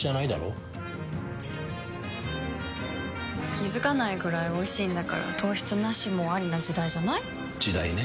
気付かないくらいおいしいんだから糖質ナシもアリな時代じゃない？時代ね。